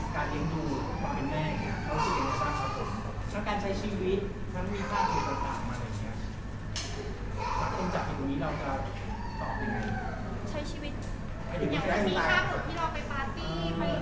คือมีภาพที่รอไปปาที่